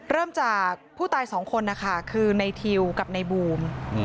เริ่มจากผู้ตายสองคนนะคะคือในทิวกับในบูม